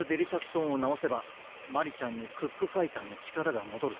トーンを直せばマリちゃんにクックファイターの力がもどる